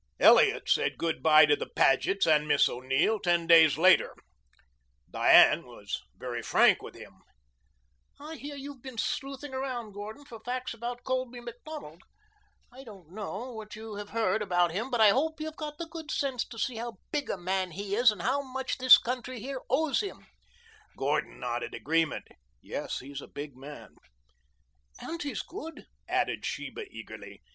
Elliot said good bye to the Pagets and Miss O'Neill ten days later. Diane was very frank with him. "I hear you've been sleuthing around, Gordon, for facts about Colby Macdonald. I don't know what you have heard about him, but I hope you've got the sense to see how big a man he is and how much this country here owes him." Gordon nodded agreement. "Yes, he's a big man." "And he's good," added Sheba eagerly.